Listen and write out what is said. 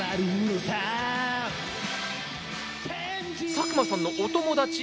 佐久間さんのお友達？